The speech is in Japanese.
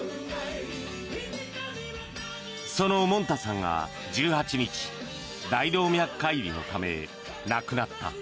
そのもんたさんが１８日大動脈解離のため亡くなった。